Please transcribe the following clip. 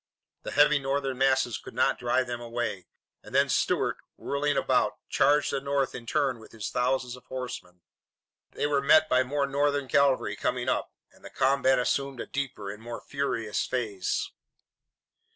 The heavy Northern masses could not drive them away, and then Stuart, whirling about, charged the North in turn with his thousands of horsemen. They were met by more Northern cavalry coming up, and the combat assumed a deeper and more furious phase.